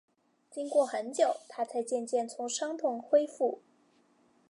经过很久，她才渐渐从伤痛恢复